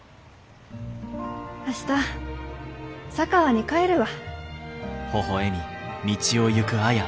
明日佐川に帰るわ。